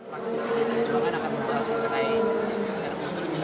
maksudnya gimana akan berbahas mengenai